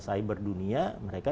cyber dunia mereka